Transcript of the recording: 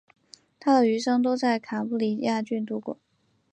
他的余生都在坎布里亚郡度过。